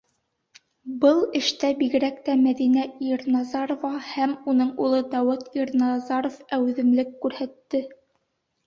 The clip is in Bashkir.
Был эштә бигерәк тә Мәҙинә Ирназарова һәм уның улы Дауыт Ирназаров әүҙемлек күрһәтте.